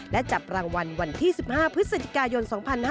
และจับรางวัลวันที่๑๕พฤศจิกายน๒๕๕๙